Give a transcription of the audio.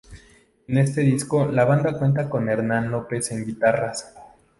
En este disco la banda cuenta con Hernán Lopez en guitarras.